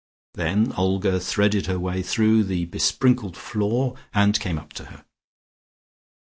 Then Olga threaded her way through the besprinkled floor, and came up to her.